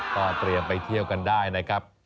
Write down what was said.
ก็เตรียมไปเที่ยวกันได้นะครับ